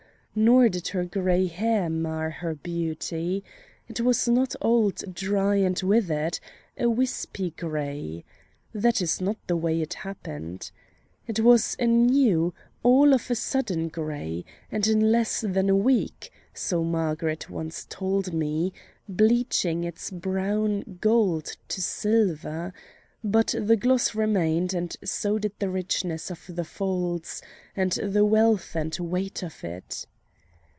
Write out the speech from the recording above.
Nor did her gray hair mar her beauty. It was not old, dry, and withered a wispy gray. (That is not the way it happened.) It was a new, all of a sudden gray, and in less than a week so Margaret once told me bleaching its brown gold to silver. But the gloss remained, and so did the richness of the folds, and the wealth and weight of it.